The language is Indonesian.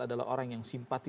adalah orang yang simpati